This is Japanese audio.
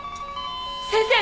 先生！